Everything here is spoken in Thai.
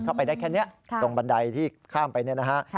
เข้าไปได้แค่นี้ตรงบันไดที่ข้ามไปเนี่ยนะฮะ